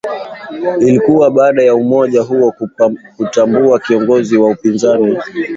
ilikuja baada ya umoja huo kumtambua kiongozi wa upinzani